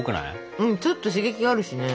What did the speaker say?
うんちょっと刺激があるしね。